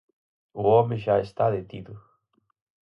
O home xa está detido.